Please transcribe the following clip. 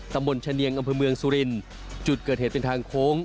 ตำบลชะเนียงอำเภอเมืองสุรินทร์จุดเกิดเหตุเป็นทางโค้ง